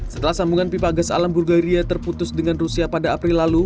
setelah sambungan pipa gas alam bulgaria terputus dengan rusia pada april lalu